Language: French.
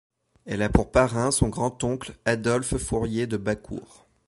Elle a pour parrain son grand-oncle Adolphe Fourier de Bacourt.